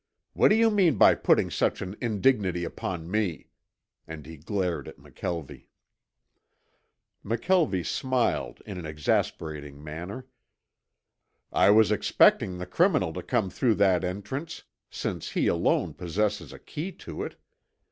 "What do you mean by putting such an indignity upon me?" and he glared at McKelvie. McKelvie smiled in an exasperating manner. "I was expecting the criminal to come through that entrance, since he alone possesses a key to it.